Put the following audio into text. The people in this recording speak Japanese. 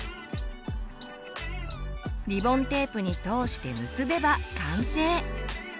リボンテープに通して結べば完成。